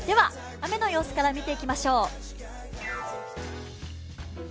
雨の様子から見ていきましょう。